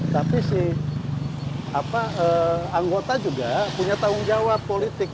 tapi si anggota juga punya tanggung jawab politik